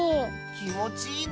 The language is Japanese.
きもちいいの？